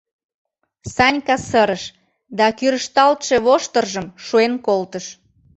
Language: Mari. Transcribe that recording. Санька сырыш да кӱрышталтше воштыржым шуэн колтыш.